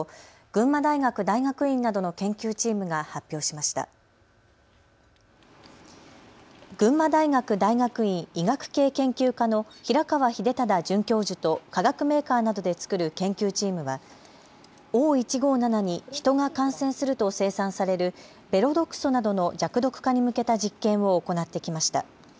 群馬大学大学院医学系研究科の平川秀忠准教授と化学メーカーなどで作る研究チームはＯ１５７にヒトが感染すると生産されるベロ毒素などの弱毒化に向けた実験を行ってきました。